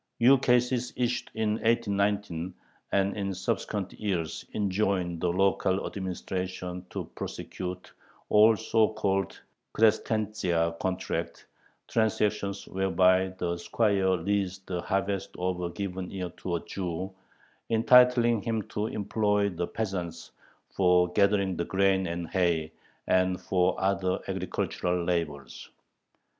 Ukases issued in 1819 and in subsequent years enjoin the local administration to prosecute all so called "krestentzya" contracts, transactions whereby the squire leased the harvest of a given year to a Jew, entitling him to employ the peasants for gathering the grain and hay and for other agricultural labors.